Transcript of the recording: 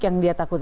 yang dia takut